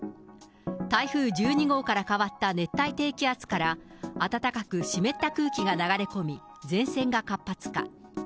台風１２号から変わった熱帯低気圧から、暖かく湿った空気が流れ込み、前線が活発化。